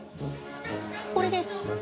これです。